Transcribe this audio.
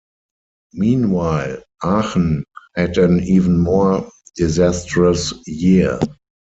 Meanwhile, Aachen had an even more disastrous year.